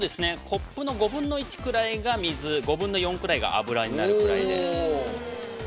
コップの５分の１ぐらいが水、５分の４くらいが油になるくらいで。